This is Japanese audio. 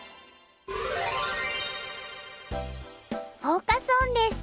フォーカス・オンです。